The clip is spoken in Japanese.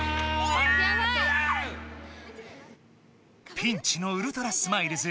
ピンチのウルトラスマイルズ